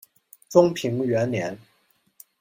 中平元年。